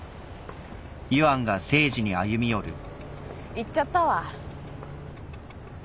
行っちゃったわ。